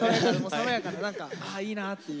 爽やかな何かあいいなっていう。